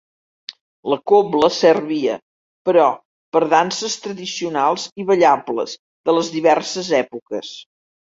La cobla servia, però, per danses tradicionals i ballables de les diverses èpoques.